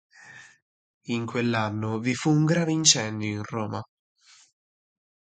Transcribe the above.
In quell'anno vi fu un grave incendio in Roma.